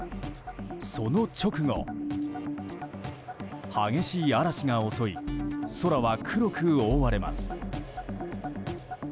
その直後激しい嵐が襲い空は黒く覆われます。